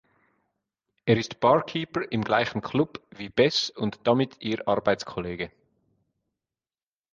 Er ist Barkeeper im gleichen Club wie Bess und damit ihr Arbeitskollege.